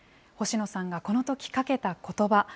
星野さんがこのときかけたことば。